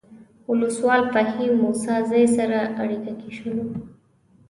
ولسوال فهیم موسی زی سره اړیکه کې شولو.